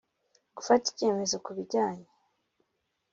Gufata icyemezo ku bijyanye